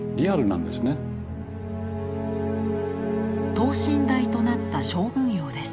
等身大となった将軍俑です。